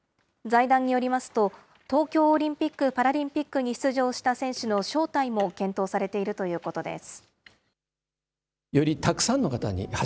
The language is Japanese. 財団によりますと、東京オリンピック・パラリンピックに出場した選手の招待も検討されているということです。